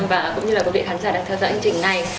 và cũng như là quý vị khán giả đang theo dõi chương trình này